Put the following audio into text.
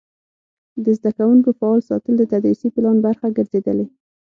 د زده کوونکو فعال ساتل د تدریسي پلان برخه ګرځېدلې.